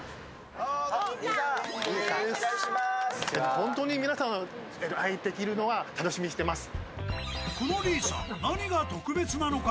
本当に皆さんにお会いできるのを楽しみにしています。